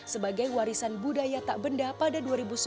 sebagai warisan budaya tak benda pada dua ribu sembilan